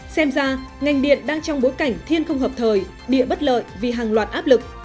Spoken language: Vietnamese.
xem ra ngành điện đang trong bối cảnh thiên không hợp thời địa bất lợi vì hàng loạt áp lực